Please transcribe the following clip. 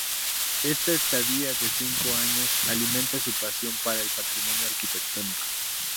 Esta estadía de cinco años alimenta su pasión para el patrimonio arquitectónico.